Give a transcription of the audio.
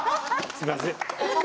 すいません。